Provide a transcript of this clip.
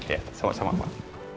ya sama sama pak